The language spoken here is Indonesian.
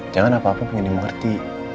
jangan apa apa pengen dimengerti